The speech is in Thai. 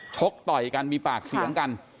ชกต่อยกันมีปากเสียงกัน